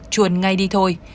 chuồn ngay đi thôi